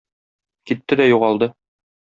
Китте дә югалды.